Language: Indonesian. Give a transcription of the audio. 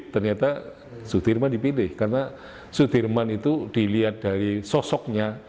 ternyata sudirman dipilih karena sudirman itu dilihat dari sosoknya